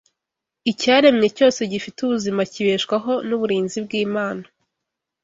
icyaremwe cyose gifite ubuzima kibeshwaho n’uburinzi bw’Imana.